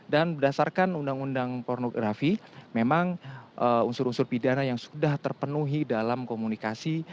dan berdasarkan undang undang pornografi memang unsur unsur pidana yang sudah terpenuhi dalam komunikasi